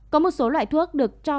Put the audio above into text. có một số loại thuốc được cho